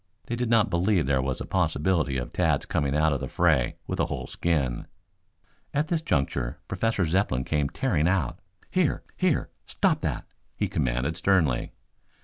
They did not believe there was a possibility of Tad's coming out of the fray with a whole skin. At this juncture Professor Zepplin came tearing out. "Here, here! Stop that!" he commanded sternly.